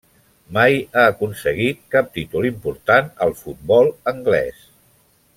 Mai ha aconseguit cap títol important al futbol anglès.